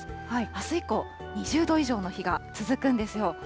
あす以降、２０度以上の日が続くんですよ。